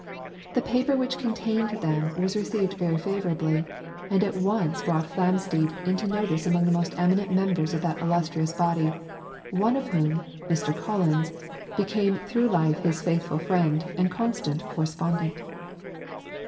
The paper which contained them was received very favourably, and at once brought Flamsteed into notice among the most eminent members of that illustrious body, one of whom, Mr. Collins, became through life his faithful friend and constant correspondent.